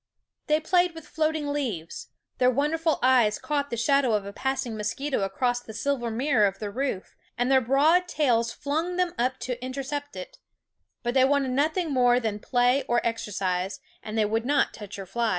They played with floating leaves; their wonderful eyes caught the shadow of a passing mosquito across the silver mirror of their roof, and their broad tails flung them up to intercept it; but they wanted nothing more than play or exercise, and they would not touch your flies.